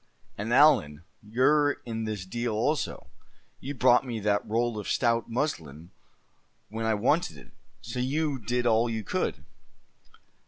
And Allan, you're in this deal also; you brought me that roll of stout muslin when I wanted it, so you did all you could."